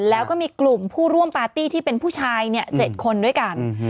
แล้วก็มีกลุ่มผู้ร่วมปาร์ตี้ที่เป็นผู้ชาย๗คนด้วยกัน